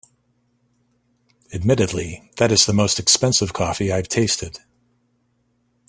Admittedly, that is the most expensive coffee I’ve tasted.